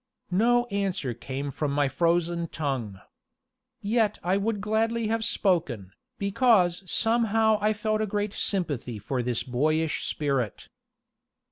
No answer came from my frozen tongue. Yet I would gladly have spoken, because somehow I felt a great sympathy for this boyish spirit.